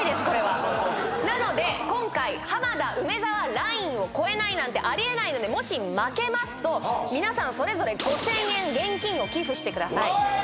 これはなので今回浜田梅沢ラインを超えないなんてありえないのでもし負けますと皆さんそれぞれ５，０００円現金を寄付してください